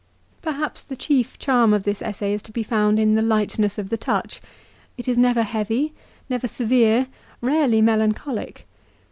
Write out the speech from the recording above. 1 Perhaps the chief charm of this essay is to be found in the lightness of the touch. It is never heavy, never severe, rarely melancholic.